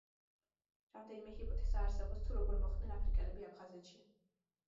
რამდენიმე ჰიპოთეზა არსებობს, თუ როგორ მოხვდნენ აფრიკელები აფხაზეთში.